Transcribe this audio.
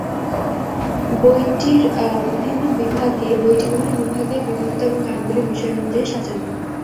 বইটি বিভিন্ন বিভাগে বিভক্ত এবং গানগুলি বিষয় অনুযায়ী সাজানো।